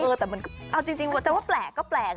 เอาจริงว่าจะว่าแปลกก็แปลก